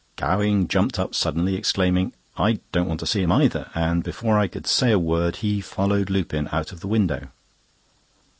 Gowing jumped up suddenly, exclaiming: "I don't want to see him either!" and, before I could say a word, he followed Lupin out of the window.